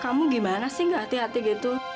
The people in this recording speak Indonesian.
kamu gimana sih gak hati hati gitu